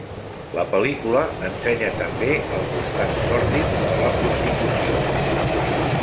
La pel·lícula ensenya també el costat sòrdid de la prostitució.